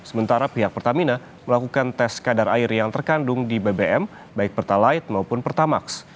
sementara pihak pertamina melakukan tes kadar air yang terkandung di bbm baik pertalite maupun pertamax